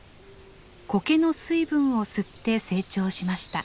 コケの水分を吸って成長しました。